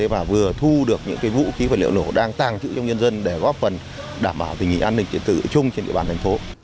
và vừa thu được những vũ khí và liệu nổ đang tàng thịu trong nhân dân để góp phần đảm bảo tình hình an ninh tự trung trên địa bàn thành phố